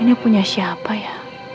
ini punya siapa ya